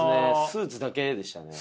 スーツだけでしたね。